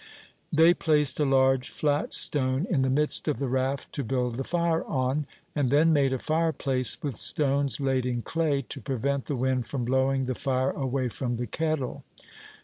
They placed a large flat stone in the midst of the raft to build the fire on, and then made a fireplace with stones laid in clay, to prevent the wind from blowing the fire away from the kettle.